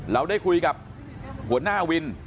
เราได้คุยกับหัวหน้าวิน